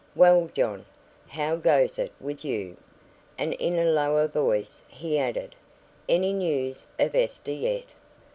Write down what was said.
"Well, John, how goes it with you?" and, in a lower voice, he added, "Any news of Esther, yet?"